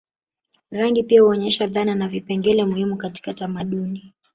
Rangi pia huonyesha dhana na vipengele muhimu katika tamaduni